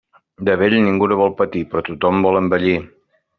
De vell ningú no vol patir, però tothom vol envellir.